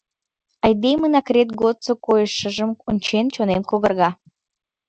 Айдемын акрет годсо койышыжым ончен, чонем когарга!